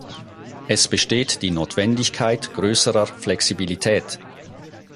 Es besteht die Notwendigkeit größerer Flexibilität.